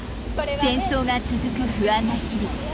戦争が続く不安な日々。